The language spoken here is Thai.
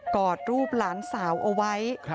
อดรูปหลานสาวเอาไว้